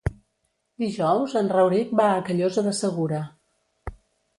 Dijous en Rauric va a Callosa de Segura.